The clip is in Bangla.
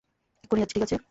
এক্ষুণি যাচ্ছি, ঠিক আছে?